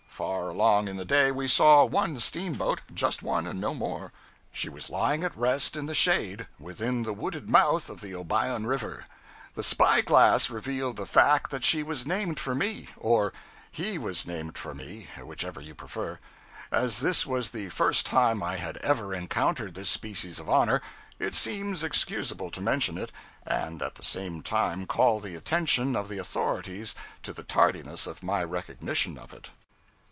Far along in the day, we saw one steamboat; just one, and no more. She was lying at rest in the shade, within the wooded mouth of the Obion River. The spy glass revealed the fact that she was named for me or he was named for me, whichever you prefer. As this was the first time I had ever encountered this species of honor, it seems excusable to mention it, and at the same time call the attention of the authorities to the tardiness of my recognition of it.